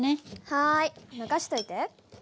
はい任しといて。